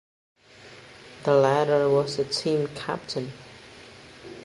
The latter was the team captain.